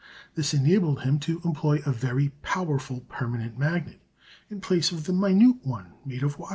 This enabled him to employ a very powerful permanent magnet in place of the minute one made of watch spring.